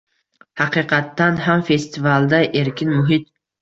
Haqiqatan ham festivalda erkin muhit